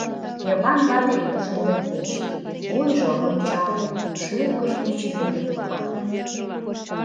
Йыван вате куржын лектеш: вуйжо рончылтын, шӱргыж гыч вӱр йога.